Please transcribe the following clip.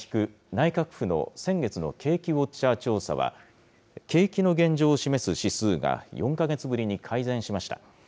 内閣府の先月の景気ウォッチャー調査は、景気の現状を示す指数が４か月ぶりに改善しました。